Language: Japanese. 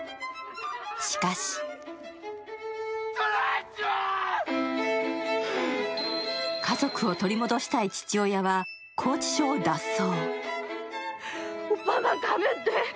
しかし家族を取り戻したい父親は拘置所を脱走。